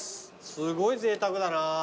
すごいぜいたくだな。